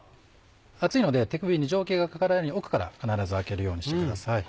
熱いので手首に蒸気がかからないように奥から必ず開けるようにしてください。